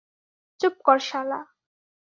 চুপ কর শালা!